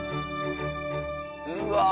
うわ。